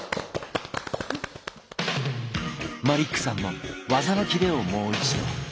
マリックさんの技のキレをもう一度。